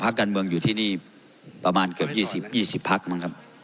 ภาคการเมืองอยู่ที่นี่ประมาณเกือบยี่สิบยี่สิบภาคมั้งครับ